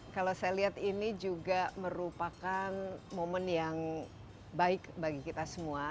kalau saya lihat ini juga merupakan momen yang baik bagi kita semua